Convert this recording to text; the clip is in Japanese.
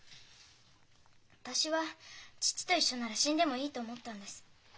私は父と一緒なら死んでもいいと思ったんです。